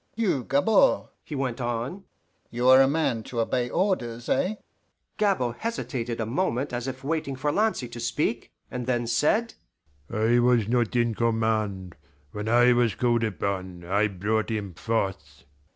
"You, Gabord," he went on, "you are a man to obey orders eh?" Gabord hesitated a moment as if waiting for Lancy to speak, and then said, "I was not in command. When I was called upon I brought him forth."